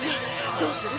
どうする？